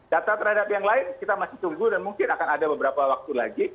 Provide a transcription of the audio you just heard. data terhadap yang lain kita masih tunggu dan mungkin akan ada beberapa waktu lagi